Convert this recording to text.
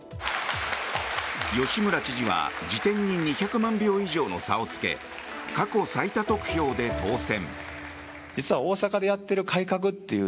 吉村知事は次点に２００万以上の差をつけ過去最多得票で当選。